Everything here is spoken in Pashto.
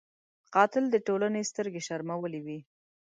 قاتل د ټولنې سترګې شرمولی وي